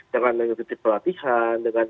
dengan melakukan pelatihan dengan